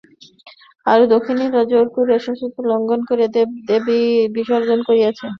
আর দক্ষিণীরা জোর করিয়া শাস্ত্র লঙ্ঘন করিয়া দেবদেবী বিসর্জন করিয়াছে।